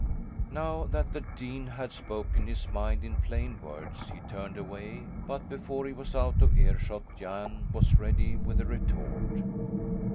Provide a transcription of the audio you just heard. Now that the dean had spoken his mind in plain words he turned away; but before he was out of earshot Jan was ready with a retort.